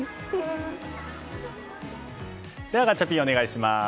ガチャピン、お願いします。